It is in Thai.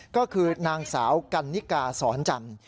ก็คือนางสาวกันนิกาสอนจันทร์